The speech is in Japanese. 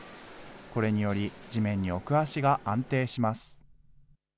これにより、地面に置く足が安定します。